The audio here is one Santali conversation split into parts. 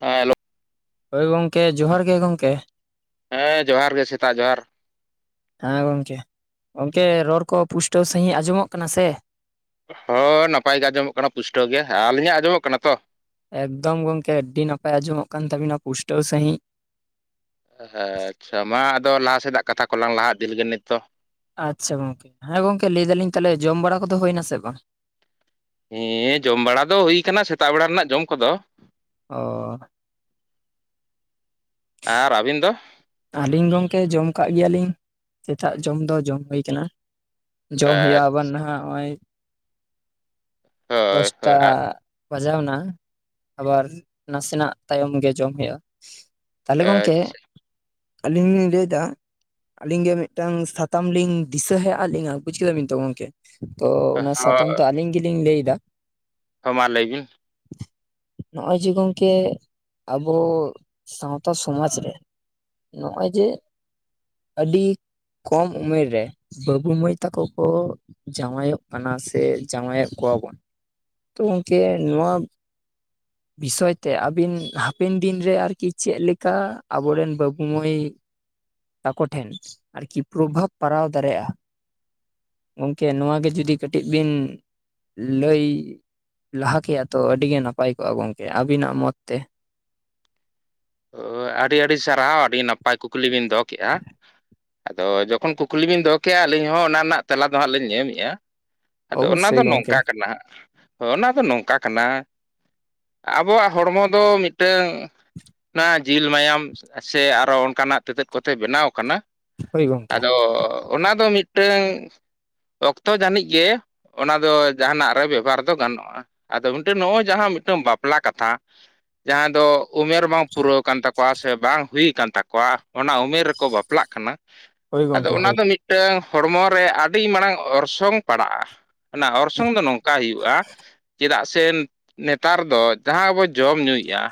ᱦᱮᱞᱳ᱾ ᱦᱳᱭ ᱜᱚᱝᱠᱮ ᱡᱚᱦᱟᱨ ᱜᱮ ᱜᱚᱝᱠᱮ ᱾ ᱦᱮᱸ ᱡᱚᱦᱟᱨ ᱜᱮ ᱥᱮᱛᱟᱜ ᱡᱚᱦᱟᱨ ᱾ ᱦᱮᱸ ᱜᱚᱢᱠᱮ, ᱜᱚᱢᱠᱮ ᱨᱚᱲ ᱠᱚ ᱯᱩᱥᱴᱟᱹᱣ ᱥᱟᱺᱦᱤᱡ ᱟᱸᱡᱚᱢᱚᱜ ᱠᱟᱱᱟ ᱥᱮ? ᱦᱳᱭ ᱱᱟᱯᱟᱭ ᱜᱮ ᱟᱸᱡᱚᱢᱚᱜ ᱠᱟᱱᱟ ᱯᱩᱥᱴᱟᱹᱣ ᱜᱮ, ᱟᱹᱞᱤᱧᱟᱜ ᱟᱸᱡᱚᱢᱚᱜ ᱠᱟᱱᱟ ᱛᱚ? ᱮᱠᱫᱚᱢ ᱜᱚᱝᱠᱮ ᱟᱹᱰᱤ ᱱᱟᱯᱟᱭ ᱟᱸᱡᱚᱢᱚᱜ ᱠᱟᱱ ᱛᱟᱹᱵᱤᱱᱟ ᱯᱩᱥᱴᱟᱹᱣ ᱥᱟᱺᱦᱤᱡ ᱾ ᱦᱮᱸ ᱟᱪᱪᱷᱟ ᱢᱟ ᱟᱫᱚ ᱞᱟᱦᱟ ᱥᱮᱫᱟᱜ ᱠᱟᱛᱷᱟ ᱠᱚᱞᱟᱝ ᱞᱟᱦᱟ ᱤᱫᱤ ᱞᱮᱜᱮ ᱱᱤᱛ ᱫᱚ ᱾ ᱟᱪᱪᱷᱟ ᱜᱚᱝᱠᱮ ᱦᱮᱸ ᱜᱚᱝᱠᱮ ᱞᱟᱹᱭ ᱮᱫᱟᱞᱤᱧ ᱛᱟᱦᱚᱞᱮ ᱡᱚᱢ ᱵᱟᱲᱟ ᱠᱚᱫᱚ ᱦᱩᱭᱱᱟ ᱥᱮ ᱵᱟᱝ? ᱦᱮᱸ ᱡᱚᱢ ᱵᱟᱲᱟ ᱫᱚ ᱦᱩᱭ ᱟᱠᱟᱱᱟ ᱥᱮᱛᱟᱜ ᱵᱮᱲᱟ ᱨᱮᱱᱟᱜ ᱡᱚᱢ ᱠᱚᱫᱚ᱾ ᱚ᱾ ᱟᱨ ᱟᱵᱤᱱ ᱫᱚ? ᱟᱹᱞᱤᱧ ᱜᱚᱢᱠᱮ ᱡᱚᱢ ᱠᱟᱜ ᱜᱮᱭᱟᱞᱤᱧ, ᱥᱮᱛᱟᱜ ᱡᱚᱢ ᱫᱚ ᱡᱚᱢ ᱦᱩᱭ ᱠᱟᱱᱟ᱾ ᱡᱚᱢ ᱦᱩᱭᱩᱜᱼᱟ ᱟᱵᱟᱨ ᱱᱟᱜᱷ ᱱᱚᱜᱼᱚᱭ ᱦᱳᱭ ᱫᱚᱥᱴᱟ ᱦᱳᱭ ᱾ ᱵᱟᱡᱟᱣ ᱮᱱᱟ, ᱟᱵᱟᱨ ᱱᱟᱥᱮᱱᱟᱜ ᱛᱟᱭᱚᱢ ᱜᱮ ᱡᱚᱢ ᱦᱩᱭᱩᱜᱼᱟ ᱾ ᱟᱪᱪᱷᱟ ᱾ ᱟᱹᱞᱤᱧ ᱞᱤᱧ ᱞᱟᱹᱭᱫᱟ ᱟᱹᱞᱤᱧ ᱜᱮ ᱢᱤᱫᱴᱟᱝ ᱥᱟᱛᱟᱢ ᱞᱤᱧ ᱫᱤᱥᱟᱹ ᱦᱮᱡ ᱦᱟᱜ ᱞᱤᱱᱟ ᱵᱩᱡᱽ ᱠᱮᱫᱟᱵᱤᱱ ᱛᱚ ᱜᱚᱝᱠᱮ᱾ ᱛᱚ ᱚᱱᱟ ᱥᱟᱛᱟᱢ ᱫᱚ ᱟᱹᱞᱤᱧ ᱜᱮᱞᱤᱧ ᱞᱟᱹᱭᱫᱟ᱾ ᱦᱚᱸ ᱢᱟ ᱞᱟᱹᱭ ᱵᱤᱱ᱾ ᱱᱚᱜᱼᱚᱭ ᱡᱮ ᱜᱚᱝᱠᱮ ᱟᱵᱚ ᱥᱟᱶᱛᱟ ᱥᱚᱢᱟᱡᱽ ᱨᱮ ᱱᱚᱜᱼᱚᱭ ᱡᱮ ᱟᱹᱰᱤ ᱠᱚᱢ ᱩᱢᱮᱨ ᱨᱮ ᱵᱟᱹᱵᱩ ᱢᱟᱹᱭ ᱛᱟᱠᱚ ᱠᱚ ᱡᱟᱶᱟᱭᱚᱜ ᱠᱟᱱᱟ ᱥᱮ ᱡᱟᱶᱟᱭᱮᱫ ᱠᱚᱣᱟ ᱵᱚᱱ ᱛᱚ ᱜᱚᱢᱠᱮ ᱱᱚᱣᱟ ᱵᱤᱥᱚᱭ ᱛᱮ ᱟᱹᱵᱤᱱ ᱦᱟᱯᱮᱱ ᱫᱤᱱ ᱨᱮ ᱟᱨᱠᱤ ᱪᱮᱫ ᱞᱮᱠᱟ ᱟᱵᱚᱨᱮᱱ ᱵᱟᱹᱵᱩ ᱢᱟᱹᱭ ᱛᱟᱠᱚ ᱴᱷᱮᱱ ᱟᱨᱠᱤ ᱯᱨᱚᱵᱷᱟᱵᱽ ᱯᱟᱨᱟᱣ ᱫᱟᱨᱮᱭᱟᱜᱼᱟ᱾ ᱜᱚᱢᱠᱮ ᱱᱚᱣᱟ ᱜᱮ ᱡᱩᱫᱤ ᱠᱟᱹᱴᱤᱡ ᱵᱤᱱ ᱞᱟᱹᱭ ᱞᱟᱦᱟ ᱠᱮᱭᱟ ᱛᱚ ᱟᱹᱰᱤ ᱜᱮ ᱱᱟᱯᱟᱭ ᱠᱚᱜᱼᱟ ᱜᱚᱝᱠᱮ ᱟᱹᱵᱤᱱᱟᱜ ᱢᱚᱛ ᱛᱮ᱾ ᱟᱹᱰᱤ ᱟᱹᱰᱤ ᱥᱟᱨᱦᱟᱣ ᱟᱹᱰᱤ ᱱᱟᱯᱟᱭ ᱠᱩᱠᱞᱤ ᱵᱤᱱ ᱫᱚᱦᱚ ᱠᱮᱜᱼᱟ᱾ ᱟᱫᱚ ᱡᱚᱠᱷᱚᱱ ᱠᱩᱠᱞᱤ ᱵᱤᱱ ᱫᱚᱦᱚ ᱠᱮᱜᱼᱟ ᱟᱹᱞᱤᱧ ᱦᱚᱸ ᱚᱱᱟ ᱨᱮᱱᱟᱜ ᱛᱮᱞᱟ ᱫᱚ ᱦᱟᱸᱜ ᱞᱤᱧ ᱮᱢ ᱮᱫᱼᱟ᱾ ᱟᱫᱚ ᱚᱱᱟ ᱚᱵᱚᱥᱥᱳᱭ ᱫᱚ ᱜᱚᱝᱠᱮ ᱱᱚᱝᱠᱟ ᱠᱟᱱᱟ ᱦᱚ ᱚᱱᱟ ᱫᱚ ᱱᱚᱝᱠᱟ ᱠᱟᱱᱟ ᱟᱵᱚᱣᱟᱜ ᱦᱚᱲᱢᱚ ᱫᱚ ᱢᱤᱫᱴᱟᱹᱝ-ᱼ ᱚᱱᱟ ᱡᱤᱞ ᱢᱟᱭᱟᱢ ᱥᱮ ᱟᱨᱚ ᱚᱱᱠᱟᱱᱟᱜ ᱛᱮᱛᱮᱫ ᱠᱚᱛᱮ ᱵᱮᱱᱟᱣ ᱟᱠᱟᱱᱟ᱾ ᱦᱳᱭ ᱜᱚᱝᱠᱮ ᱟᱫᱚ ᱚᱱᱟ ᱫᱚ ᱢᱤᱫᱴᱟᱹᱝ ᱚᱠᱛᱚ ᱡᱟᱹᱱᱤᱡ ᱜᱮ ᱚᱱᱟ ᱫᱚ ᱡᱟᱸᱦᱟᱱᱟᱜ ᱨᱮ ᱵᱮᱵᱷᱟᱨ ᱫᱚ ᱜᱟᱱᱚᱜᱼᱟ ᱟᱫᱚ ᱢᱤᱫᱴᱮᱱ ᱱᱚᱜᱼᱚᱭ ᱡᱟᱦᱟᱸ ᱢᱤᱫᱴᱮᱱ ᱵᱟᱯᱞᱟ ᱠᱟᱛᱷᱟ ᱡᱟᱦᱟᱸ ᱫᱚ ᱩᱢᱮᱨ ᱵᱟᱝ ᱯᱩᱨᱟᱹᱣ ᱠᱟᱱ ᱛᱟᱠᱚᱣᱟ ᱥᱮ ᱵᱟᱝ ᱦᱩᱭ ᱠᱟᱱ ᱛᱟᱠᱚᱣᱟ ᱚᱱᱟ ᱩᱢᱮᱨ ᱨᱮᱠᱚ ᱵᱟᱯᱞᱟᱜ ᱠᱟᱱᱟ ᱦᱳᱭ ᱟᱫᱚ ᱜᱚᱝᱠᱮ ᱚᱱᱟ ᱦᱳᱭ ᱫᱚ ᱢᱤᱫᱴᱟᱹᱝ ᱦᱚᱲᱢᱚ ᱨᱮ ᱟᱹᱰᱤ ᱢᱟᱲᱟᱝ ᱚᱨᱥᱚᱝ ᱯᱟᱲᱟᱜᱼᱟ᱾ ᱚᱱᱟ ᱚᱨᱥᱚᱝ ᱫᱚ ᱱᱚᱝᱠᱟ ᱦᱩᱭᱩᱜᱼᱟ ᱪᱮᱫᱟᱜ ᱥᱮ ᱱᱮᱛᱟᱨ ᱫᱚ ᱡᱟᱦᱟᱸ ᱵᱚ ᱡᱚᱢ ᱧᱩᱭᱮᱫᱼᱟ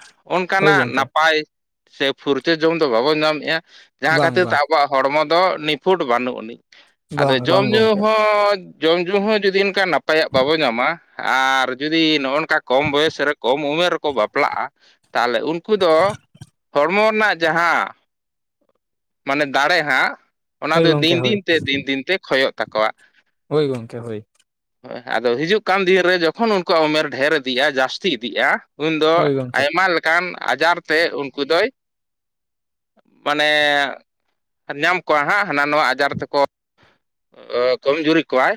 ᱦᱳᱭ ᱚᱱᱠᱟᱱᱟᱜ ᱜᱚᱝᱠᱮ ᱱᱟᱯᱟᱭ ᱥᱮ ᱯᱷᱩᱨᱪᱟᱹ ᱡᱚᱢ ᱫᱚ ᱵᱟᱵᱚᱱ ᱧᱟᱢᱮᱫᱼᱟ ᱡᱟᱦᱟᱸ ᱵᱟᱝ ᱠᱷᱟᱹᱛᱤᱨ ᱛᱮ ᱵᱟᱝ ᱟᱵᱚᱣᱟᱜ ᱦᱚᱲᱢᱚ ᱫᱚ ᱱᱤᱯᱷᱩᱴ ᱵᱟᱹᱱᱩᱜ ᱟᱹᱱᱤᱡ ᱟᱫᱚ ᱵᱟᱝ ᱡᱚᱢ ᱵᱟᱝ ᱧᱩ ᱜᱚᱝᱠᱮ ᱦᱚᱸ ᱡᱚᱢ ᱧᱩ ᱦᱚᱸ ᱡᱩᱫᱤ ᱚᱱᱠᱟ ᱱᱟᱯᱟᱭᱟᱜ ᱵᱟᱵᱚ ᱧᱟᱢᱟ ᱟᱨ ᱡᱩᱫᱤ ᱱᱚᱜᱼᱚ ᱠᱟ ᱠᱚᱢ ᱵᱚᱭᱮᱥ ᱨᱮ ᱠᱚᱢ ᱩᱢᱮᱨ ᱨᱮᱠᱚ ᱵᱟᱯᱞᱟᱜᱼᱟ ᱛᱟᱦᱚᱞᱮ ᱩᱱᱠᱩ ᱫᱚ ᱦᱚᱲᱢᱚ ᱨᱮᱱᱟᱜ ᱡᱟᱦᱟᱸ ᱢᱟᱱᱮ ᱫᱟᱲᱮ ᱦᱟᱸᱜ ᱚᱱᱟ ᱦᱳᱭ ᱫᱚ ᱜᱚᱝᱠᱮ ᱫᱤᱱ ᱦᱳᱭ ᱫᱤᱱᱛᱮ ᱫᱤᱱ ᱫᱤᱱᱛᱮ ᱠᱷᱚᱭᱚᱜ ᱛᱟᱠᱚᱣᱟ᱾ ᱦᱳᱭ ᱜᱚᱝᱠᱮ ᱦᱳᱭ᱾ ᱦᱳᱭ ᱟᱫᱚ ᱦᱤᱡᱩᱜ ᱠᱟᱱ ᱫᱤᱱ ᱨᱮ ᱡᱚᱠᱷᱚᱱ ᱩᱱᱠᱩᱣᱟᱜ ᱩᱢᱮᱨ ᱰᱷᱮᱨ ᱤᱫᱤᱜᱼᱟ ᱡᱟᱹᱥᱛᱤ ᱤᱫᱤᱜᱼᱟ ᱩᱱᱫᱚ ᱦᱳᱭ ᱜᱚᱝᱠᱮ ᱟᱭᱢᱟ ᱞᱮᱠᱟᱱ ᱟᱡᱟᱨ ᱛᱮ ᱩᱱᱠᱩ ᱫᱚᱭ ᱢᱟᱱᱮ ᱧᱟᱢ ᱠᱚᱣᱟ ᱦᱟᱸᱜ ᱦᱟᱱᱟ-ᱱᱷᱟᱣᱟ ᱟᱡᱟᱨ ᱛᱮᱠᱚ ᱠᱚᱢᱡᱩᱨᱤ ᱠᱚᱣᱟᱭ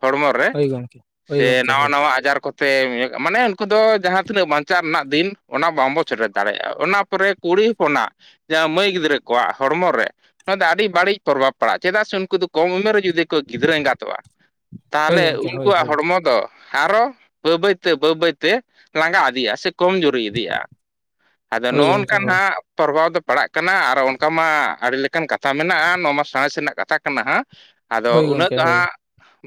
ᱦᱚᱲᱢᱚ ᱨᱮ ᱦᱳᱭ ᱜᱚᱝᱠᱮ ᱦᱳᱭ ᱥᱮ ᱜᱚᱝᱠᱮ ᱱᱟᱣᱟ ᱦᱳᱭ ᱱᱟᱣᱟ ᱟᱡᱟᱨ ᱠᱚ ᱯᱮ ᱢᱟᱱᱮ ᱩᱱᱠᱩ ᱫᱚ ᱡᱟᱦᱟᱸ ᱛᱤᱱᱟᱹᱜ ᱵᱟᱧᱪᱟᱣ ᱨᱮᱱᱟᱜ ᱫᱤᱱ ᱾ ᱚᱱᱟ ᱵᱟᱝᱵᱚᱱ ᱥᱮᱴᱮᱨ ᱫᱟᱲᱮᱭᱟᱜᱼᱟ ᱚᱱᱟ ᱯᱚᱨᱮ ᱠᱩᱲᱤ ᱦᱚᱯᱚᱱᱟᱜ ᱡᱟᱦᱟᱸ ᱢᱟᱹᱭ ᱜᱤᱫᱽᱨᱟᱹ ᱠᱚᱣᱟᱜ ᱦᱚᱲᱢᱚ ᱨᱮ ᱢᱟᱹᱭ ᱜᱤᱫᱽᱨᱟᱹ ᱠᱚᱣᱟᱠ ᱦᱳᱨᱢᱚ ᱨᱮ ᱚᱱᱟ ᱫᱚ ᱟᱹᱰᱤ ᱵᱟᱹᱲᱤᱡ ᱯᱨᱚᱵᱷᱟᱵᱽ ᱯᱟᱲᱟᱜᱼᱟ ᱪᱮᱫᱟᱜ ᱥᱮ ᱩᱱᱠᱩ ᱫᱚ ᱠᱚᱢ ᱩᱢᱮᱨ ᱨᱮ ᱡᱩᱫᱤ ᱜᱤᱫᱽᱨᱟᱹ ᱮᱸᱜᱟᱛᱚᱜᱼᱟ ᱦᱳᱭ ᱛᱟᱦᱚᱞᱮ ᱜᱚᱝᱠᱮ ᱦᱳᱭ ᱩᱱᱠᱩᱣᱟᱜ ᱦᱳᱭ ᱦᱚᱲᱢᱚ ᱫᱚ ᱦᱨᱚ ᱵᱟᱹᱭ ᱵᱟᱹᱭ ᱛᱮ ᱵᱟᱹᱭ ᱵᱟᱹᱭ ᱛᱮ ᱞᱟᱸᱜᱟ ᱤᱫᱤᱭᱟ ᱥᱮ ᱠᱚᱢ ᱡᱩᱨᱤ ᱾ ᱫᱤᱜᱼᱟ ᱟᱫᱚ ᱦᱳᱭ ᱱᱚᱜᱼᱚ ᱜᱚᱝᱠᱮ ᱱᱚᱝᱠᱟ ᱦᱳᱭ ᱦᱟᱸᱜ ᱯᱨᱚᱨᱵᱷᱟᱣ ᱫᱚ ᱯᱟᱲᱟᱜ ᱠᱟᱱᱟ ᱟᱨ ᱚᱱᱠᱟ ᱢᱟ ᱟᱹᱰᱤ ᱞᱮᱠᱟᱱ ᱠᱟᱛᱷᱟ ᱢᱮᱱᱟᱜᱼᱟ ᱱᱚᱣᱟ ᱢᱟ ᱥᱟᱬᱮᱥ ᱨᱮᱱᱟᱜ ᱠᱟᱛᱷᱟ ᱠᱟᱱᱟ ᱦᱟᱸᱜ ᱾ ᱟᱫᱚ ᱦᱳᱭ ᱩᱱᱟᱹᱜ ᱜᱚᱝᱠᱮ ᱫᱚ ᱦᱳᱭ ᱦᱟᱸᱜ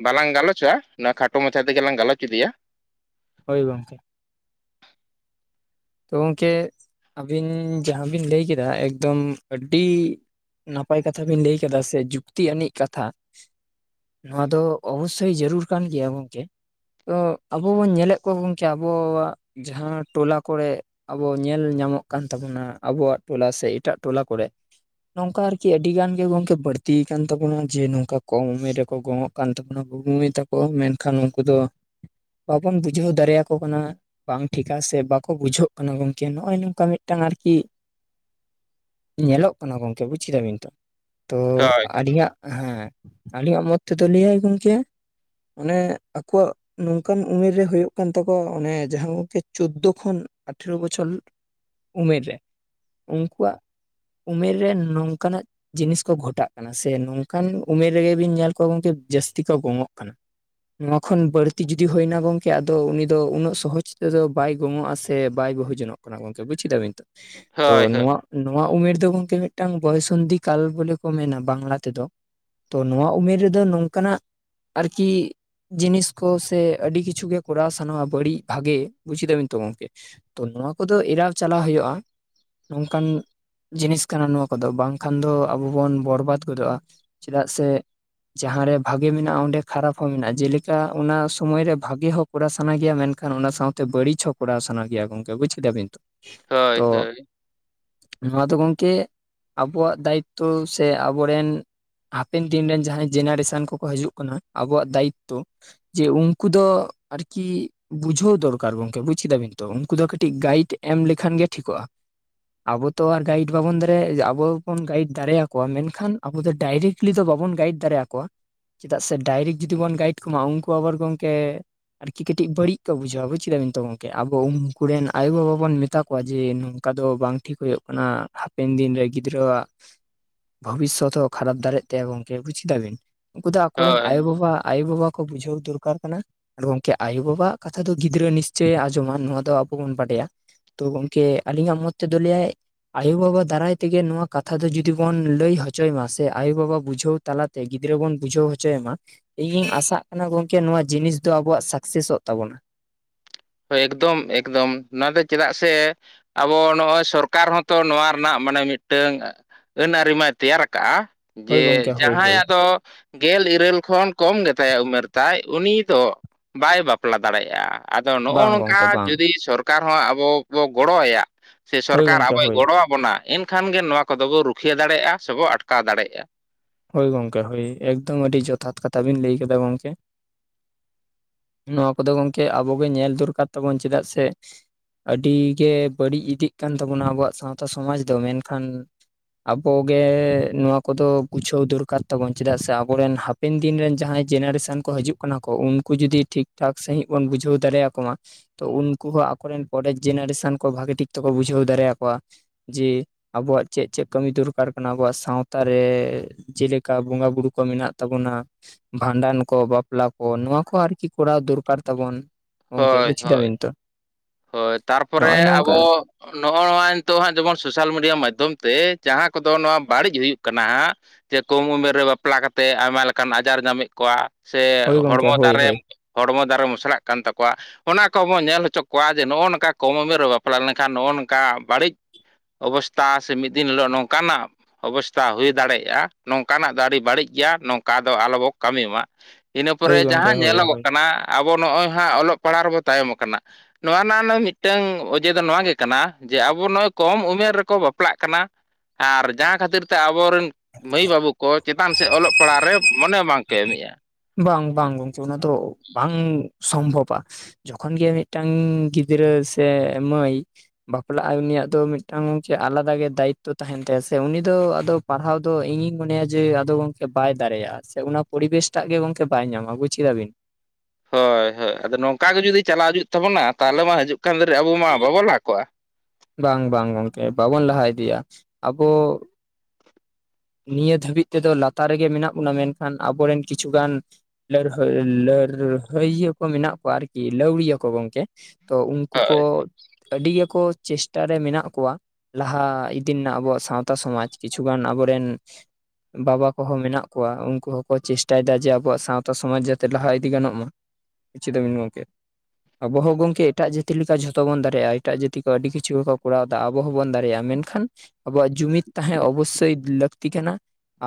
ᱵᱟᱞᱟᱝ ᱜᱟᱞᱚᱪᱟ ᱩᱹᱜ ᱠᱷᱟᱴᱚ ᱢᱟᱪᱷᱟ ᱛᱮᱜᱮ ᱞᱟᱝ ᱜᱟᱞᱚᱪ ᱤᱫᱤᱭᱟ ᱾ ᱦᱳᱭ ᱜᱚᱝᱠᱮ ᱾ ᱛᱚ ᱜᱚᱝᱠᱮ ᱟᱹᱵᱤᱱ ᱡᱟᱦᱟᱸ ᱵᱤᱱ ᱞᱟᱹᱭ ᱠᱮᱫᱟ ᱮᱠᱫᱚᱢ ᱟᱹᱰᱤ ᱱᱟᱯᱟᱭ ᱠᱟᱛᱷᱟ ᱵᱤᱱ ᱞᱟᱹᱭ ᱠᱟᱫᱟ ᱥᱮ ᱡᱩᱠᱛᱤ ᱟᱹᱱᱤᱡ ᱠᱟᱛᱷᱟ ᱾ ᱱᱚᱣᱟ ᱫᱚ ᱚᱵᱚᱥᱳᱭ ᱡᱟᱨᱩᱲ ᱠᱟᱱ ᱜᱮᱭᱟ ᱜᱚᱝᱠᱮ ᱾ ᱛᱚ ᱟᱵᱚ ᱵᱚᱱ ᱧᱮᱞᱮᱫ ᱠᱚᱣᱟ ᱜᱚᱝᱠᱮ ᱟᱵᱚᱣᱟᱜ ᱡᱟᱦᱟᱸ ᱴᱚᱞᱟ ᱠᱚᱨᱮ ᱟᱵᱚ ᱧᱮᱞ ᱧᱟᱢᱚᱜ ᱠᱟᱱ ᱛᱟᱵᱚᱱᱟ ᱟᱵᱚᱣᱟᱜ ᱴᱚᱞᱟ ᱥᱮ ᱮᱴᱟᱜ ᱴᱚᱞᱟ ᱠᱚᱨᱮ, ᱱᱚᱝᱠᱟ ᱟᱨᱠᱤ ᱟᱹᱰᱤ ᱜᱟᱱ ᱜᱮ ᱜᱚᱝᱠᱮ ᱵᱟᱹᱲᱛᱤ ᱟᱠᱟᱱ ᱛᱟᱵᱚᱱᱟ ᱡᱮ ᱱᱚᱝᱠᱟ ᱠᱚᱢ ᱩᱢᱮᱨ ᱨᱮᱠᱚ ᱜᱚᱝᱼᱚᱜ ᱠᱟᱱ ᱛᱟᱵᱚᱱᱟ [unintelligible] ᱛᱟᱠᱚ ᱢᱮᱱᱠᱷᱟᱱ ᱩᱱᱠᱩ ᱫᱚ ᱵᱟᱵᱚᱱ ᱵᱩᱡᱷᱟᱹᱣ ᱫᱟᱲᱮᱭᱟᱠᱚ ᱠᱟᱱᱟ ᱵᱟᱝ ᱴᱷᱤᱠᱟ ᱥᱮ ᱠᱚ ᱵᱩᱡᱷᱟᱹᱜ ᱠᱟᱱᱟ ᱜᱚᱢᱠᱮ ᱱᱚᱜᱼᱚᱭ ᱱᱚᱝᱠᱟ ᱢᱤᱫᱴᱟᱝ ᱟᱨᱠᱤ ᱧᱮᱞᱚᱜ ᱠᱟᱱᱟ ᱜᱚᱝᱠᱮ ᱵᱩᱡ ᱫᱟᱵᱤᱱ ᱛᱚ ᱛᱚ ᱦᱳᱭ ᱟᱹᱰᱤ ᱦᱟᱜ ᱦᱮᱸ ᱟᱞᱤᱝᱟᱜ ᱢᱚᱛ ᱛᱮ ᱞᱟᱹᱭᱟᱭ ᱜᱚᱢᱠᱮ ᱾ ᱚᱱᱮ ᱟᱠᱚᱣᱟᱜ ᱱᱚᱝᱠᱟᱱ ᱩᱢᱮᱨ ᱨᱮ ᱦᱩᱭᱩᱜ ᱠᱟᱱ ᱛᱟᱠᱚᱣᱟ ᱚᱱᱮ ᱡᱟᱦᱟᱸ ᱜᱚᱝᱠᱮ ᱪᱳᱫᱫᱳ ᱠᱷᱚᱱ ᱟᱴᱷᱮᱨᱚ ᱵᱚᱪᱷᱚᱞ ᱩᱢᱮᱨ ᱨᱮ ᱩᱱᱠᱩᱣᱟᱜ ᱩᱢᱮᱨ ᱨᱮ ᱱᱚᱝᱠᱟ ᱱᱟᱜ ᱡᱤᱱᱤᱥ ᱠᱚ ᱜᱷᱚᱴᱟᱜ ᱠᱟᱱᱟ ᱥᱮ ᱱᱚᱝᱠᱟᱱ ᱩᱢᱮᱨ ᱨᱮᱜᱮ ᱵᱤᱱ ᱧᱮᱞ ᱠᱚᱣᱟ ᱜᱚᱝᱠᱮ ᱡᱟᱹᱥᱛᱤ ᱠᱚ ᱜᱚᱝᱚᱜ ᱠᱟᱱᱟ ᱾ ᱱᱚᱣᱟ ᱠᱷᱚᱱ ᱵᱟᱹᱲᱛᱤ ᱡᱩᱚᱫᱤ ᱦᱱᱟ ᱜᱚᱝᱠᱮ ᱟᱫᱚ ᱩᱱᱤ ᱫᱚ ᱩᱱᱟᱹᱜ ᱥᱚᱦᱚᱡ ᱛᱮᱫᱚ ᱵᱟᱭ ᱵᱩᱢᱚᱜᱼᱟ ᱥᱮ ᱵᱟᱭ ᱵᱟᱹᱦᱩ ᱡᱚᱱᱚᱜ ᱠᱟᱱᱟ ᱜᱚᱝᱠᱮ ᱵᱩᱡ ᱠᱤᱫᱟ ᱵᱤᱱ ᱛᱚᱜ ᱛᱚ ᱦᱳᱭ ᱦᱳᱭ ᱱᱚᱣᱟ ᱱᱚᱣᱟ ᱩᱢᱮᱨ ᱫᱚ ᱜᱚᱝᱠᱮ ᱢᱤᱫᱴᱟᱝ ᱵᱚᱭᱚᱥᱚᱱᱫᱷᱤ ᱠᱟᱞ ᱵᱚᱞᱮ ᱠᱚ ᱢᱮᱱᱟ ᱵᱟᱝᱞᱟ ᱛᱮᱫᱚ ᱾ ᱛᱚ ᱱᱚᱣᱟ ᱩᱢᱮᱨ ᱨᱮᱫᱚ ᱱᱚᱝᱠᱟᱱᱟᱜ ᱟᱨᱠᱤ ᱡᱤᱱᱤᱥ ᱠᱚ ᱥᱮ ᱟᱹᱰᱤ ᱠᱤᱪᱷᱩ ᱜᱮ ᱠᱚᱨᱟᱣ ᱥᱟᱱᱟᱣᱟ ᱵᱟᱹᱲᱤᱡ ᱵᱷᱟᱜᱮ ᱵᱩᱡ ᱠᱮᱫᱟ ᱵᱤᱱ ᱾ ᱜᱚᱢᱠᱮ ᱛᱚ ᱱᱚᱣᱟ ᱠᱚᱫᱚ ᱮᱨᱟᱣ ᱪᱟᱞᱟᱣ ᱦᱩᱭᱩᱜᱼᱟ ᱱᱚᱝᱠᱟᱱ ᱡᱤᱱᱤᱥ ᱠᱟᱱᱟ ᱱᱚᱣᱟ ᱠᱚᱫᱚ ᱵᱟᱝᱠᱷᱟᱱ ᱫᱚ ᱟᱵᱚ ᱵᱚᱱ ᱵᱚᱨᱵᱟᱫ ᱜᱚᱫᱚᱜᱼᱟ ᱪᱮᱫᱟᱜ ᱥᱮ ᱡᱟᱦᱟᱸ ᱨᱮ ᱵᱷᱟᱜᱮ ᱢᱮᱱᱟᱜᱼᱟ ᱚᱸᱰᱮ ᱠᱷᱟᱨᱟᱯ ᱦᱚᱸ ᱢᱮᱱᱟᱜᱼᱟ ᱡᱮᱞᱮᱠᱟ ᱚᱱᱟ ᱥᱩᱢᱚᱭ ᱨᱮ ᱵᱷᱟᱜᱮ ᱦᱚᱸ ᱠᱚᱨᱟᱣ ᱥᱟᱱᱟᱭᱮᱭᱟ ᱢᱮᱱᱠᱷᱟᱱ ᱚᱱᱟ ᱥᱟᱶᱛᱮ ᱵᱟᱹᱲᱤᱡ ᱦᱚᱸ ᱠᱚᱨᱟᱣ ᱥᱟᱱᱟ ᱜᱮᱭᱟ ᱜᱚᱝᱠᱮ ᱵᱩᱡ ᱠᱮᱫᱟ ᱵᱤᱱ ᱛᱚ ᱾ ᱦᱳᱭ ᱦᱳᱭ ᱾ ᱱᱚᱣᱟ ᱫᱚ ᱜᱚᱢᱠᱮ ᱟᱵᱚᱣᱟᱜ ᱫᱟᱭᱤᱛᱛᱚ ᱥᱮ ᱟᱵᱚᱨᱮᱱ ᱦᱟᱯᱮᱱ ᱫᱤᱱ ᱨᱮᱱ ᱡᱟᱦᱟᱸᱭ ᱡᱮᱱᱟᱨᱮᱥᱚᱱ ᱠᱚᱠᱚ ᱦᱤᱡᱩᱜ ᱠᱟᱱᱟ ᱟᱵᱚᱣᱟᱜ ᱫᱟᱭᱤᱛᱛᱚ, ᱡᱮ ᱩᱱᱠᱩ ᱫᱚ ᱟᱨᱠᱤ ᱵᱩᱡᱷᱟᱹᱣ ᱫᱚᱨᱠᱟᱨ ᱜᱚᱝᱠᱮ ᱵᱩᱡᱽ ᱾ ᱪᱮᱫᱟᱵᱤᱱ ᱛᱚ ᱩᱱᱠᱩ ᱫᱚ ᱠᱟᱹᱴᱤᱡ ᱜᱟᱭᱤᱰ ᱮᱢ ᱞᱮᱠᱷᱟᱱ ᱜᱮ ᱴᱷᱤᱠᱚᱜᱼᱟ᱾ ᱟᱵᱚ ᱛᱚ ᱟᱨ ᱜᱟᱭᱤᱰ ᱵᱟᱵᱚᱱ ᱫᱟᱲᱮᱭᱟᱜᱼᱟ ᱟᱵᱚ ᱵᱚᱱ ᱜᱟᱭᱤᱰ ᱫᱟᱲᱮᱭᱟᱠᱚᱣᱟ ᱢᱮᱱᱠᱷᱟᱱ ᱟᱵᱚ ᱫᱚ ᱰᱟᱭᱨᱮᱠᱴ ᱾ ᱠᱩᱠᱞᱤ ᱫᱚ ᱵᱟᱵᱚᱱ ᱜᱟᱭᱤᱰ ᱫᱟᱲᱮᱭᱟᱠᱚᱣᱟ ᱪᱮᱫᱟᱜ ᱥᱮ ᱰᱟᱭᱨᱮᱠᱴ ᱡᱩᱫᱤ ᱵᱚᱱ ᱜᱟᱭᱤᱰ ᱠᱚᱢᱟ ᱩᱱᱠᱩ ᱟᱵᱟᱨ ᱜᱚᱢᱠᱮ ᱟᱨᱠᱤ ᱠᱟᱹᱴᱤᱡ ᱵᱟᱹᱲᱤᱡ ᱠᱚ ᱵᱩᱡᱷᱟᱹᱣᱟ ᱵᱩᱡ ᱠᱮᱫᱟ ᱵᱤᱱ ᱛᱚ ᱾ ᱟᱵᱚ ᱩᱱᱠᱩ ᱨᱮᱱ ᱟᱭᱳ ᱵᱟᱵᱟ ᱵᱚᱱ ᱢᱮᱛᱟ ᱠᱚᱣᱟ ᱡᱮ ᱱᱚᱝᱠᱟ ᱫᱚ ᱵᱟᱝ ᱴᱷᱤᱠ ᱦᱩᱭᱩᱜ ᱠᱟᱱᱟ ᱾ ᱦᱟᱯᱮᱱ ᱫᱤᱱᱨᱮ ᱜᱤᱫᱽᱨᱟᱹᱣᱟᱜ ᱵᱷᱚᱵᱤᱥᱚᱛ ᱦᱚᱸ ᱠᱷᱟᱨᱟᱯ ᱫᱟᱲᱮᱜ ᱛᱟᱭᱟ ᱜᱚᱢᱠᱮ ᱵᱩᱪ ᱠᱮᱫᱟ ᱵᱤᱱ? ᱩᱱᱠᱩ ᱫᱚ ᱟᱠᱚ ᱨᱮᱱ ᱦᱳᱭ ᱟᱭᱳᱼᱵᱟᱵᱟ ᱟᱭᱳ ᱵᱟᱵᱟ ᱵᱩᱡᱷᱟᱹᱣ ᱫᱚᱨᱠᱟᱨ ᱠᱟᱱᱟ, ᱟᱨ ᱜᱚᱝᱠᱮ ᱟᱭᱳ ᱵᱟᱵᱟ ᱣᱟᱜ ᱠᱟᱛᱷᱟ ᱫᱚ ᱜᱤᱫᱽᱨᱟᱹ ᱱᱤᱥ ᱪᱚᱭ ᱟᱸᱡᱚᱢᱟ, ᱱᱚᱣᱟ ᱫᱚ ᱟᱵᱚ ᱵᱚᱱ ᱵᱟᱰᱟᱭᱟ ᱛᱚ ᱜᱚᱝᱠᱮ ᱟᱞᱤᱧᱟᱜ ᱢᱚᱛ ᱛᱮᱫᱚ ᱞᱟᱹᱭᱟᱭ ᱾ ᱟᱭᱳ ᱵᱟᱵᱟ ᱫᱟᱨᱟᱭ ᱛᱮᱜᱮ ᱱᱚᱣᱟ ᱠᱟᱛᱷᱟ ᱫᱚ ᱡᱩᱫᱤ ᱵᱚᱱ ᱞᱟᱹᱭ ᱦᱚᱪᱚᱭ ᱢᱟ ᱥᱮ ᱟᱭᱳᱼᱵᱟᱵᱟ ᱵᱩᱡᱷᱟᱹᱣ ᱛᱟᱞᱟ ᱛᱮ, ᱜᱤᱫᱽᱨᱟᱹ ᱵᱚᱱ ᱵᱩᱡᱷᱟᱹᱣ ᱦᱚᱪᱚᱭᱮ ᱢᱟ, ᱤᱧᱤᱧ ᱟᱥᱟᱜ ᱠᱟᱱᱟ ᱜᱚᱝᱠᱮ ᱱᱚᱣᱟ ᱡᱤᱱᱤᱥ ᱫᱚ ᱟᱵᱚᱣᱟᱜ ᱥᱟᱠᱥᱮᱥᱚᱜ ᱛᱟᱵᱚᱱᱟ ᱾ ᱦᱳᱭ ᱮᱠᱫᱟᱢ ᱮᱠᱫᱚᱢ ᱪᱮᱫᱟᱜ ᱥᱮ ᱟᱵᱚ ᱱᱚᱜᱼᱚᱭ ᱥᱚᱨᱠᱟᱨ ᱦᱚᱸᱛᱚ ᱱᱚᱣᱟ ᱨᱮᱱᱟᱜ ᱢᱟᱱᱮ ᱢᱤᱫᱴᱟᱝ ᱟᱹᱱ ᱟᱹᱨᱤ ᱢᱟᱭ ᱛᱮᱭᱟᱨ ᱠᱟᱜᱼᱟ ᱡᱮ ᱦᱳᱭ ᱜᱚᱝᱠᱮ ᱦᱳᱭ ᱡᱟᱦᱟᱸᱭᱟᱜ ᱦᱳᱭ ᱟᱫᱚ ᱜᱮᱞ ᱤᱨᱟᱹᱞ ᱠᱷᱚᱱ ᱠᱚᱢ ᱜᱮᱛᱟᱭᱟ ᱩᱢᱮᱨ ᱛᱟᱭ ᱩᱱᱤ ᱫᱚ ᱵᱟᱭ ᱵᱟᱯᱞᱟ ᱫᱟᱲᱮᱭᱟᱜᱼᱟ ᱾ ᱟᱫᱚ ᱱᱚᱜᱼᱚ ᱵᱟᱝ ᱱᱚᱝᱠᱟ ᱜᱚᱝᱠᱮ ᱵᱟᱝ ᱡᱩᱫᱤ ᱥᱚᱨᱠᱟᱨ ᱦᱚᱸ ᱟᱵᱚ ᱵᱚ ᱜᱚᱲᱚᱟᱭᱟ ᱥᱮ ᱦᱳᱭ ᱥᱚᱨᱠᱟᱨ ᱜᱚᱝᱠᱮ ᱟᱵᱚᱭ ᱦᱳᱭ ᱜᱚᱲᱚᱣᱟ ᱵᱚᱱᱟ ᱮᱱᱠᱷᱟᱱ ᱜᱮ ᱱᱚᱣᱟ ᱠᱚᱫᱚ ᱵᱚ ᱨᱩᱠᱷᱤᱭᱟᱹ ᱫᱟᱲᱮᱭᱟᱜᱼᱟ ᱥᱮᱵᱚ ᱟᱴᱠᱟᱣ ᱫᱟᱲᱮᱭᱟᱜᱼᱟ ᱾ ᱦᱳᱭ ᱜᱚᱝᱠᱮ ᱦᱳᱭ ᱮᱠᱫᱚᱢ ᱟᱹᱰᱤ ᱡᱚᱛᱷᱟᱛ ᱠᱟᱛᱷᱟ ᱵᱤᱱ ᱞᱟᱹᱭ ᱠᱟᱫᱟ ᱜᱚᱝᱠᱮ᱾ ᱱᱚᱣᱟ ᱠᱚᱫᱚ ᱜᱚᱝᱠᱮ ᱟᱵᱚᱜᱮ ᱧᱮᱞ ᱫᱚᱨᱠᱟᱨ ᱛᱟᱵᱚᱱ ᱪᱮᱫᱟᱜ ᱥᱮ ᱟᱹᱰᱤᱜᱮ ᱵᱟᱹᱲᱤᱡ ᱤᱫᱤᱜ ᱠᱟᱱ ᱛᱟᱵᱚᱱᱟ ᱟᱵᱚᱣᱟᱜ ᱥᱟᱶᱛᱟ ᱥᱚᱢᱟᱡᱽ ᱫᱚ ᱢᱮᱱᱠᱷᱟᱱ ᱟᱵᱚᱜᱮ ᱱᱚᱣᱟ ᱠᱚᱫᱚ ᱜᱩᱪᱷᱟᱹᱣ ᱫᱚᱨᱠᱟᱨ ᱛᱟᱵᱚᱱ ᱪᱮᱫᱟᱜ ᱥᱮ ᱟᱵᱚᱨᱮᱱ ᱦᱟᱯᱮᱱ ᱫᱤᱱ ᱨᱮᱱ ᱡᱟᱦᱟᱸᱭ ᱡᱮᱱᱟᱨᱮᱥᱮᱱ ᱠᱚ ᱦᱤᱡᱩᱜ ᱠᱟᱱᱟ ᱠᱚ ᱩᱱᱠᱩ ᱡᱩᱫᱤ ᱴᱷᱤᱠ ᱴᱷᱟᱠ ᱥᱟᱺᱦᱤᱡ ᱵᱚᱱ ᱵᱩᱡᱷᱟᱹᱣ ᱫᱟᱨᱮ ᱭᱟᱠᱚ ᱢᱟ ᱛᱚ ᱩᱱᱠᱩ ᱦᱚᱸ ᱟᱠᱚᱨᱮᱱ ᱯᱚᱨᱮ ᱡᱮᱱᱟᱨᱮᱥᱮᱱ ᱠᱚ ᱵᱷᱟᱜᱮ ᱴᱷᱤᱠ ᱛᱮᱠᱚ ᱵᱩᱡᱷᱟᱹᱣ ᱫᱟᱨᱮᱭᱟᱠᱚᱣᱟ ᱡᱮ ᱟᱵᱚᱣᱟᱜ ᱪᱮᱜ ᱪᱮᱜ ᱠᱟᱹᱢᱤ ᱫᱚᱨᱠᱟᱨ ᱠᱟᱱᱟ ᱟᱵᱚᱣᱟᱜ ᱥᱟᱶᱛᱟ ᱨᱮ ᱡᱮᱞᱮᱠᱟ ᱵᱚᱸᱜᱟ ᱵᱩᱨᱩ ᱠᱚ ᱢᱮᱱᱟᱜ ᱛᱟᱵᱚᱱᱟ ᱵᱷᱟᱸᱰᱟᱱ ᱠᱚ, ᱵᱟᱯᱞᱟ ᱠᱚ, ᱱᱚᱣᱟ ᱠᱚ ᱟᱨᱠᱤ ᱠᱚᱨᱟᱣ ᱫᱚᱨᱠᱟᱨ ᱛᱟᱵᱚᱱ᱾ ᱜᱚᱝᱠᱮ ᱦᱳᱭ ᱵᱩᱡ ᱦᱳᱭ ᱠᱮᱫᱟᱵᱤᱱ ᱛᱚ ᱦᱳᱭ ᱱᱚᱜᱼᱚᱭ ᱛᱟᱨᱯᱚᱨᱮ ᱱᱚᱝᱠᱟ ᱟᱵᱚ ᱱᱚᱜᱚ ᱱᱚᱣᱟ ᱱᱤᱛᱚᱜ ᱦᱟᱸᱜ ᱡᱮᱢᱚᱱ ᱥᱳᱥᱟᱞ ᱢᱮᱰᱤᱭᱟ ᱢᱟᱡᱫᱷᱚᱢ ᱛᱮ ᱡᱟᱦᱟᱸ ᱠᱚᱫᱚ ᱱᱚᱣᱟ ᱵᱟᱲᱤᱡ ᱦᱩᱭᱩᱜ ᱠᱟᱱᱟ ᱦᱟᱸᱜ ᱡᱮ ᱠᱚᱢ ᱩᱢᱮᱨ ᱨᱮ ᱵᱟᱯᱞᱟ ᱠᱟᱛᱮᱜ ᱟᱭᱢᱟ ᱞᱮᱠᱟᱱ ᱟᱡᱟᱨ ᱧᱟᱢᱮᱜ ᱠᱚᱣᱟ ᱥᱮ ᱦᱳᱭ ᱜᱚᱝᱠᱮ ᱦᱚᱲᱢᱚ ᱦᱳᱭ ᱫᱟᱨᱮ ᱦᱳᱭ ᱦᱚᱲᱢᱚ ᱫᱟᱨᱮ ᱢᱚᱥᱨᱟᱜ ᱠᱟᱱ ᱛᱟᱠᱚᱣᱟ᱾ ᱚᱱᱟ ᱠᱚᱦᱚᱸ ᱵᱚᱱ ᱧᱮᱞ ᱦᱚᱪᱚ ᱠᱚᱣᱟ ᱡᱮ ᱱᱚᱜᱚ ᱱᱚᱠᱟ ᱠᱚᱢ ᱩᱢᱮᱨ ᱨᱮ ᱵᱟᱯᱞᱟ ᱞᱮᱱᱠᱷᱟᱱ ᱱᱚᱜᱚ ᱱᱚᱝᱠᱟ ᱵᱟᱹᱲᱤᱡ ᱚᱵᱚᱥᱛᱷᱟ ᱥᱮ ᱢᱤᱫ ᱫᱤᱱ ᱦᱤᱞᱳᱜ ᱱᱚᱝᱠᱟᱱᱟᱜ ᱚᱵᱚᱥᱛᱟ ᱦᱩᱭ ᱫᱟᱲᱮᱭᱟᱜ ᱱᱚᱝᱠᱟᱱᱟᱜ ᱟᱨᱮ ᱵᱟᱹᱲᱤᱡ ᱜᱮᱭᱟ ᱱᱚᱝᱠᱟ ᱫᱚ ᱟᱞᱚᱵᱚ ᱠᱟᱹᱢᱤᱭ ᱢᱟ᱾ ᱤᱱᱟᱹ ᱯᱚᱨᱮ ᱦᱳᱭ ᱜᱚᱝᱠᱮ ᱡᱟᱦᱟᱸ ᱦᱳᱭ ᱧᱮᱞᱚᱜᱚᱜ ᱦᱳᱭ ᱠᱟᱱᱟ ᱟᱵᱚ ᱱᱚᱜᱼᱚᱭ ᱦᱟᱸᱜ ᱚᱞᱚᱜ ᱯᱟᱲᱦᱟᱜ ᱨᱮᱵᱚ ᱛᱟᱭᱚᱢᱚᱜ ᱠᱟᱱᱟ᱾ ᱱᱚᱣᱟᱱᱟᱜ ᱱᱚᱝ ᱢᱤᱜᱴᱟᱝ ᱚᱡᱮ ᱫᱚ ᱱᱚᱣᱟ ᱜᱮ ᱠᱟᱱᱟ ᱡᱮ ᱟᱵᱚ ᱱᱚᱜᱚᱭ ᱠᱚᱢ ᱩᱢᱮᱨ ᱨᱮᱠᱚ ᱵᱟᱯᱞᱟᱜ ᱠᱟᱱᱟ᱾ ᱟᱨ ᱡᱟᱦᱟᱸ ᱠᱷᱟᱹᱛᱤᱨ ᱪᱟ ᱟᱵᱚᱨᱮᱱ ᱢᱟᱹᱭ ᱵᱟᱹᱵᱩ ᱠᱚ ᱪᱮᱛᱟᱱ ᱥᱮᱜ ᱚᱞᱚᱜ ᱯᱟᱲᱦᱟᱜ ᱨᱮ ᱢᱚᱱᱮ ᱵᱟᱝ ᱠᱮ ᱮᱢᱮᱜᱼᱟ᱾ ᱵᱟᱝ ᱵᱟᱝ [unintelligible] ᱫᱚ ᱵᱟᱝ ᱥᱚᱢᱵᱷᱚᱵᱟ ᱡᱚᱠᱷᱚᱱ ᱜᱮ ᱢᱤᱜᱴᱟᱝ ᱜᱤᱫᱽᱨᱟᱹ ᱥᱮ ᱢᱟᱹᱭ ᱵᱟᱯᱞᱟᱜᱟᱭ ᱩᱱᱤᱭᱟᱜ ᱫᱚ ᱢᱤᱫᱴᱟᱝ ᱪᱮ ᱟᱞᱟᱫᱟ ᱜᱮ ᱫᱟᱭᱤᱛᱛᱚ ᱛᱟᱦᱮᱱ ᱛᱟᱭᱟ ᱥᱮ ᱩᱱᱤ ᱫᱚ ᱟᱫᱚ ᱯᱟᱲᱦᱟᱣ ᱫᱚ ᱤᱧᱤᱧ ᱢᱚᱱᱮᱭᱟ ᱡᱮ ᱟᱫᱚ ᱜᱚᱝᱠᱮ ᱵᱟᱭ ᱫᱟᱲᱮᱭᱟᱜᱼᱟ ᱥᱮ ᱚᱱᱟ ᱯᱚᱨᱤᱵᱮᱥ ᱴᱟᱜ ᱜᱮ ᱜᱚᱝᱠᱮ ᱵᱟᱭ ᱧᱟᱢᱟ ᱵᱩᱡ ᱠᱮᱫᱟ ᱵᱤᱱ ᱦᱳᱭ ᱦᱳᱭ ᱟᱫᱚ ᱱᱚᱝᱠᱟ ᱜᱮ ᱡᱩᱫᱤ ᱪᱟᱞᱟᱣ ᱦᱤᱡᱩᱜ ᱛᱟᱵᱚᱱᱟ ᱛᱟᱦᱚᱞᱮ ᱢᱟ ᱦᱟᱡᱩᱜ ᱠᱷᱟᱱ ᱫᱤᱱ ᱨᱮ ᱟᱵᱚ ᱢᱟ ᱵᱟᱵᱚᱱ ᱞᱟᱦᱟ ᱠᱚᱜᱼᱟ᱾ ᱵᱟᱝ ᱵᱟᱝ ᱜᱚᱝᱠᱮ ᱵᱟᱵᱚᱱ ᱞᱟᱦᱟ ᱤᱫᱤᱭᱟ ᱟᱵᱚ ᱱᱤᱭᱟᱹ ᱫᱷᱟᱹᱵᱤᱡ ᱛᱮᱫᱚ ᱞᱟᱛᱟᱨ ᱨᱮᱜᱮ ᱢᱮᱱᱟᱜ ᱵᱚᱱᱟ ᱢᱮᱱᱠᱷᱟᱱ ᱟᱵᱚᱨᱮᱱ ᱠᱤᱪᱷᱩ ᱜᱟᱱ ᱞᱟᱹᱲᱦᱟᱹᱭ ᱞᱟᱹᱨᱦᱟᱹᱭᱤᱭᱟᱹ ᱠᱚ ᱢᱮᱱᱟᱜ ᱠᱚᱣᱟ ᱟᱨᱠᱤ ᱞᱟᱹᱣᱲᱤᱭᱟᱹ ᱠᱚ ᱜᱚᱝᱠᱮ᱾ ᱛᱚ ᱩᱱᱠᱩ ᱠᱚ ᱦᱳᱭ ᱟᱹᱰᱤ ᱜᱮᱠᱚ ᱪᱮᱥᱴᱟ ᱨᱮ ᱢᱮᱱᱟᱜ ᱠᱚᱣᱟ ᱞᱟᱦᱟ ᱤᱫᱤ ᱱᱟᱜ ᱟᱵᱚᱣᱟᱜ ᱥᱟᱶᱛᱟ ᱥᱚᱢᱟᱡᱽ ᱠᱤᱪᱷᱩᱜᱟᱱ ᱟᱵᱚᱨᱮᱱ ᱵᱟᱵᱟ ᱠᱚᱦᱚᱸ ᱢᱮᱱᱟᱜ ᱠᱚᱣᱟ ᱩᱱᱠᱩ ᱦᱚᱸᱠᱚ ᱪᱮᱥᱴᱟᱭᱮᱫᱟ ᱡᱮ ᱟᱵᱚᱣᱟᱜ ᱥᱟᱶᱛᱟ ᱥᱚᱢᱟᱡᱽ ᱡᱟᱛᱮ ᱞᱟᱦᱟ ᱤᱫᱤ ᱜᱟᱱᱚᱜ ᱢᱟ᱾ ᱪᱤᱫᱮᱢ ᱜᱚᱝᱠᱮ᱾ ᱟᱵᱚ ᱦᱚᱸ ᱜᱚᱢᱠᱮ ᱮᱴᱟᱜ ᱡᱟᱹᱛᱤ ᱞᱮᱠᱟ ᱡᱷᱚᱛᱚ ᱵᱚᱱ ᱫᱟᱨᱮᱼᱟ ᱮᱴᱟᱜ ᱡᱟᱹᱛᱤ ᱠᱚ ᱟᱹᱰᱤ ᱠᱤᱪᱷᱩ ᱦᱚᱸ ᱠᱚᱨᱟᱣ ᱛᱟ ᱟᱵᱚ ᱦᱚᱸᱵᱚᱱ ᱫᱟᱲᱮᱭᱟᱜᱼᱟ ᱢᱮᱱᱠᱷᱟᱱ ᱟᱵᱚᱣᱟᱜ ᱡᱩᱢᱤᱫ ᱛᱟᱦᱮᱸ ᱚᱵᱚᱥᱥᱳᱭ ᱞᱟᱹᱠᱛᱤ ᱠᱟᱱᱟ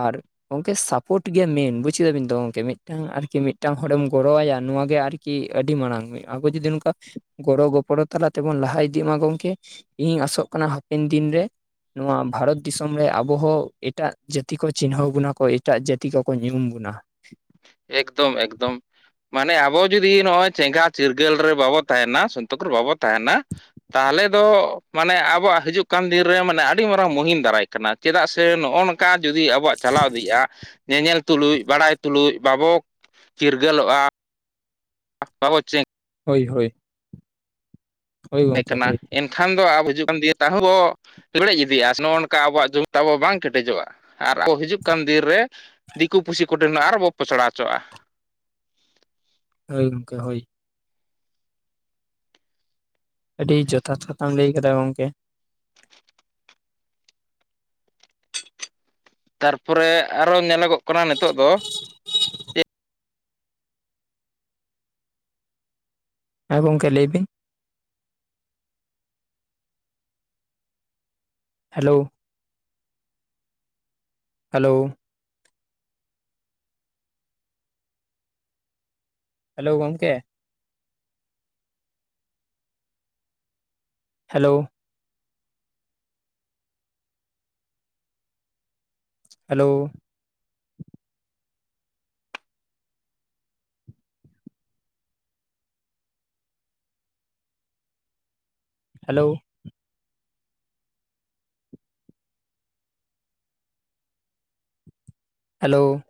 ᱟᱨ ᱜᱚᱢᱠᱮ ᱥᱟᱯᱷᱚᱴ ᱜᱮ ᱢᱮᱱ ᱵᱩᱡ ᱠᱮᱫᱟ ᱵᱤᱱ ᱛᱚ ᱜᱚᱝᱠᱮ ᱢᱤᱫᱴᱟᱝ ᱟᱨᱠᱤ ᱢᱤᱫᱴᱟᱝ ᱦᱚᱲᱮᱢ ᱜᱚᱲᱚ ᱣᱟᱭᱟ ᱱᱚᱣᱟᱜᱮ ᱟᱨ ᱠᱤ ᱟᱹᱰᱤ ᱢᱟᱲᱟᱝ ᱢᱤᱫ ᱟᱵᱚ ᱡᱩᱫᱤ ᱱᱚᱝᱠᱟ ᱜᱚᱲᱚ ᱜᱚᱯᱚᱲᱚ ᱛᱟᱞᱟ ᱛᱮᱵᱚᱱ ᱞᱟᱦᱟ ᱤᱫᱤᱜ ᱢᱟ ᱜᱚᱢᱠᱮ ᱤᱧᱤᱧ ᱟᱥᱚᱜ ᱠᱟᱱᱟ ᱦᱟᱯᱮᱱ ᱫᱤᱱ ᱨᱮ ᱱᱚᱣᱟ ᱵᱷᱟᱨᱚᱛ ᱫᱤᱥᱚᱢ ᱨᱮ ᱟᱵᱚ ᱦᱚᱸ ᱮᱴᱟᱜ ᱡᱟᱹᱛᱤ ᱠᱚ ᱪᱤᱱᱦᱟᱹᱣ ᱵᱚᱱᱟ ᱠᱚ ᱮᱴᱟᱜ ᱡᱟᱹᱛᱤ ᱠᱚᱠᱚ ᱧᱩᱢ ᱵᱚᱱᱟ᱾ ᱮᱠᱫᱚᱢ ᱮᱠᱫᱚᱢ ᱢᱟᱱᱮ ᱟᱵᱚ ᱡᱩᱫᱤ ᱱᱚᱜᱚᱭ ᱪᱮᱝᱜᱷᱟ ᱪᱤᱨᱜᱟᱹᱞ ᱨᱮ ᱵᱟᱵᱚ ᱛᱟᱦᱮᱱᱟ ᱥᱩᱠ ᱨᱮ ᱵᱟᱵᱚ ᱛᱟᱦᱮᱱᱟ᱾ ᱛᱟᱦᱚᱞᱮ ᱫᱚ ᱢᱟᱱᱮ ᱟᱵᱚᱣᱟᱜ ᱦᱤᱡᱩᱜ ᱠᱟᱱ ᱫᱤᱱ ᱨᱮ ᱢᱟᱱᱮ ᱟᱹᱰᱤ ᱢᱟᱨᱟᱝ ᱢᱩᱦᱤᱢ ᱫᱟᱨᱟᱭ ᱠᱟᱱᱟ ᱪᱮᱫᱟᱜ ᱥᱮ ᱱᱚᱜᱚ ᱱᱚᱝ ᱠᱟ ᱡᱩᱫᱤ ᱟᱵᱚᱣᱟᱜ ᱪᱟᱞᱟᱣ ᱤᱫᱤᱜᱼᱟ ᱧᱮᱧᱮᱞ ᱛᱩᱞᱩᱡ ᱵᱟᱲᱟᱭ ᱛᱩᱞᱩᱡ ᱵᱟᱵᱚ ᱪᱤᱨᱜᱟᱹᱞ ᱚᱜᱼᱟ᱾ ᱵᱟᱵᱚ ᱪᱮ ᱦᱳᱭ, ᱦᱳᱭ᱾ ᱦᱳᱭ ᱛᱮᱸ ᱜᱚᱝᱠᱮ ᱠᱟᱱᱟ ᱦᱳᱭ ᱮᱱ ᱠᱷᱟᱱ ᱫᱚ ᱟᱵ ᱦᱤᱡᱩᱜ ᱠᱟᱱ ᱫᱤᱭᱮ ᱛᱟᱦᱩᱸᱵᱚ ᱞᱮᱲᱮᱡ ᱤᱫᱤᱭᱟ ᱥᱮ ᱱᱚᱝᱠᱟ ᱟᱵᱚᱭᱟᱜ ᱡᱚᱢᱚ ᱛᱟᱵᱚ ᱵᱟᱝ ᱠᱮᱴᱮᱡᱚᱜᱼᱟ᱾ ᱟᱨ ᱟᱵᱚ ᱦᱤᱡᱩᱜ ᱠᱟᱱ ᱫᱤᱱ ᱨᱮ ᱫᱤᱠᱩ ᱯᱩᱥᱤ ᱠᱚᱴᱷᱮ ᱟᱨᱵᱚ ᱯᱚᱥᱲᱟ ᱦᱚᱪᱚᱜᱼᱟ᱾ ᱦᱳᱭ ᱜᱚᱝᱠᱮ ᱦᱳᱭ᱾ ᱟᱹᱰᱤ ᱡᱚᱛᱷᱟᱛ ᱠᱟᱛᱷᱟᱢ ᱞᱟᱹᱭ ᱟᱠᱟᱫᱟ, ᱜᱚᱝᱠᱮ᱾ ᱛᱟᱨᱯᱚᱨᱮ ᱟᱨᱚ ᱧᱮᱞᱚᱜᱚᱜ ᱠᱟᱱᱟ ᱱᱤᱛᱚᱜ ᱫᱚ ᱦᱮᱸ ᱜᱚᱢᱠᱮ ᱞᱟᱹᱭᱵᱤᱱ ᱦᱮᱞᱳ᱾ ᱦᱮᱞᱳ? ᱦᱮᱞᱳ ᱜᱚᱢᱠᱮ? ᱦᱮᱞᱳ? ᱦᱮᱞᱳ? ᱦᱮᱞᱳ? ᱦᱮᱞᱳ?